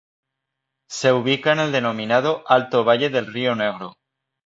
Se ubica en el denominado Alto Valle del Río Negro.